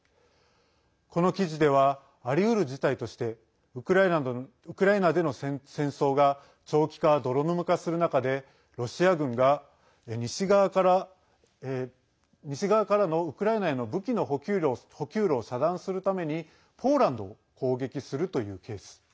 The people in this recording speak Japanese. この記事ではありうる事態としてウクライナでの戦争が長期化、泥沼化する中でロシア軍が西側からのウクライナへの武器の補給路を遮断するためにポーランドを攻撃するというケース。